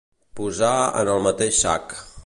Posar en el mateix sac.